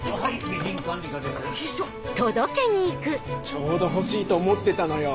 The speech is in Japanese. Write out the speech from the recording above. ちょうど欲しいと思ってたのよ